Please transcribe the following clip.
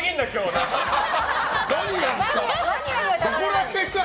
何やるんですか！